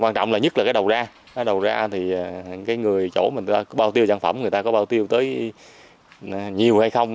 quan trọng là nhất là cái đầu ra đầu ra thì cái người chỗ mình bao tiêu sản phẩm người ta có bao tiêu tới nhiều hay không